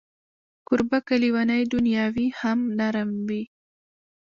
کوربه که لېونۍ دنیا وي، هم نرم وي.